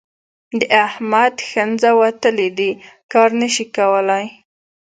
د احمد ښنځ وتلي دي؛ کار نه شي کولای.